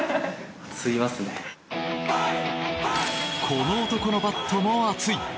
この男のバットも熱い。